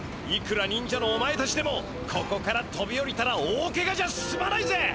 いくらにんじゃのお前たちでもここからとびおりたら大けがじゃすまないぜ！